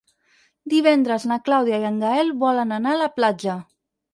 Divendres na Clàudia i en Gaël volen anar a la platja.